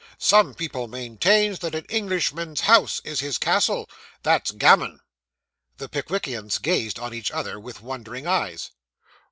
Some people maintains that an Englishman's house is his castle. That's gammon.' The Pickwickians gazed on each other with wondering eyes.